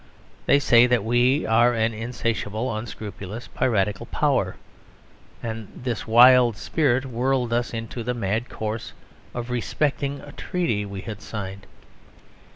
They say that we are an insatiable, unscrupulous, piratical power; and this wild spirit whirled us into the mad course of respecting a treaty we had signed.